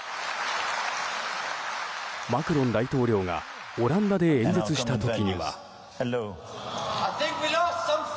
マクロン大統領がオランダで演説した時には。